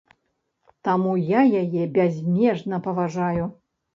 Таму я яе бязмежна паважаю.